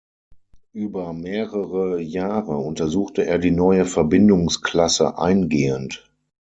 Über mehrere Jahre untersuchte er die neue Verbindungsklasse eingehend.